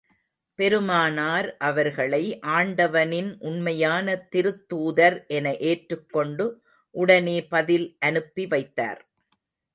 பெருமானார் அவர்களை ஆண்டவனின் உண்மையான திருத்தூதர் என ஏற்றுக் கொண்டு உடனே பதில் அனுப்பி வைத்தார்.